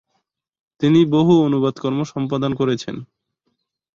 তিনি বহু অনুবাদ কর্ম সম্পাদন করেছেন।